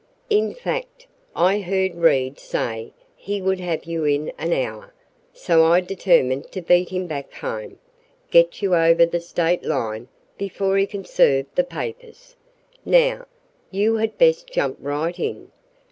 In fact, I heard Reed say he would have you in an hour, so I determined to beat him back home get you over the State line before he can serve the papers. Now, you had best jump right in.